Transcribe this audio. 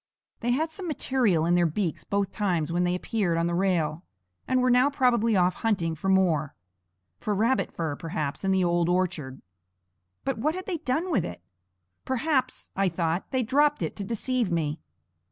They had some material in their beaks both times when they appeared on the rail, and were now probably off hunting for more for rabbit fur, perhaps, in the old orchard. But what had they done with it? "Perhaps," I thought, "they dropped it to deceive me."